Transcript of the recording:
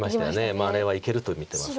まああれはいけると見てます。